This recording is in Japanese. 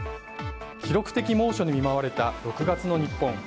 記録的猛暑に見舞われた６月の日本。